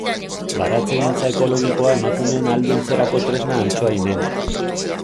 Baratzegintza ekologikoa emakumeen ahalduntzerako tresna Antsoainen.